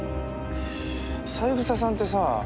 三枝さんってさ